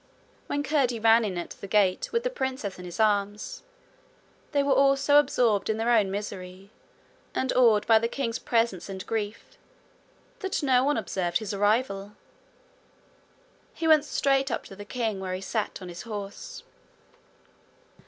When Curdie ran in at the gate with the princess in his arms, they were all so absorbed in their own misery and awed by the king's presence and grief, that no one observed his arrival. He went straight up to the king, where he sat on his horse.